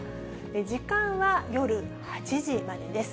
時間は夜８時までです。